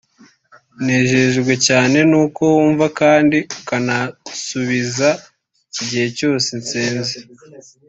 Nejejwe cyane n’uko wumva kandi ukanasubiza igihe cyose nsenze